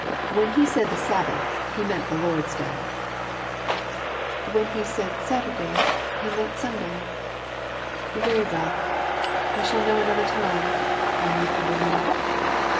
When he said the Sabbath, he meant the Lord's Day." " \Vben he said Saturday, he meant Sunday. Very well, I shall know another time," I meekly remarked.